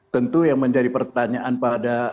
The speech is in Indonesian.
tentu yang menjadi pertanyaan pada